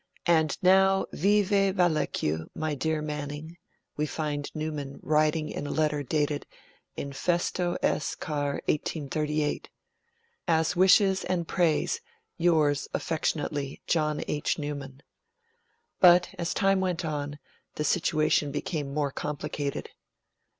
'And now vive valeque, my dear Manning', we find Newman writing in a letter dated 'in festo S. Car. 1838', 'as wishes and prays yours affectionately, John H. Newman'. But, as time went on, the situation became more complicated.